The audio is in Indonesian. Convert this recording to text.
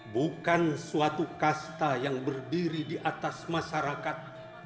bukan suatu kasta yang berdiri di atas masyarakat